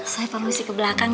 saya permisi ke belakang ya